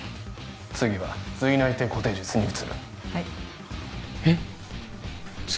次は髄内釘固定術に移るはいえっ次？